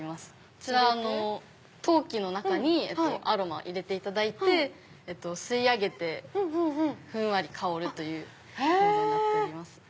こちら陶器の中にアロマを入れていただいて吸い上げてふんわり香るというものになっております。